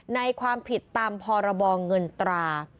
ความผิดตามพรบเงินตรา